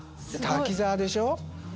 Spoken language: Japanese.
滝沢でしょ。